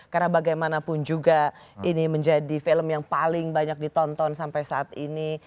karena ini adalah film yang paling banyak ditonton sampai saat ini